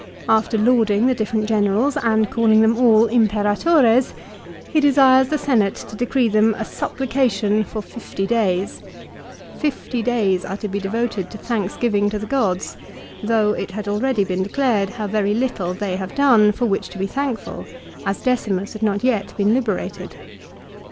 After lauding the different generals, and calling them all " Imperatores," he desires the Senate to decree them a " supplication " for fifty days. Fifty days are to be devoted to thanksgiving to the gods, though it had already been declared how very little they have done for which to be thankful, as Decimus had not yet been liberated.